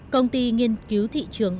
công ty nghiên cứu thị trường